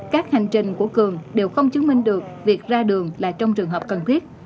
các hành trình của cường đều không chứng minh được việc ra đường là trong trường hợp cần thiết